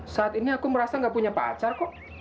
saat ini aku merasa gak punya pacar kok